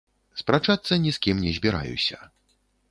Спрачацца ні з кім не збіраюся.